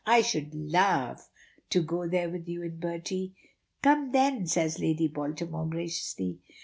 "I should love to go there with you and Bertie." "Come, then," says Lady Baltimore graciously.